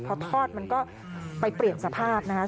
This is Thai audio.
พอทอดมันก็ไปเปลี่ยนสภาพนะคะ